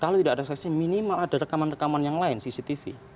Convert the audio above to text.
kalau tidak ada saksi minimal ada rekaman rekaman yang lain cctv